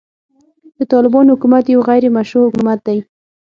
د طالبانو حکومت يو غيري مشروع حکومت دی.